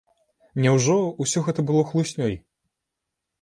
Няўжо ўсё гэта было хлуснёй?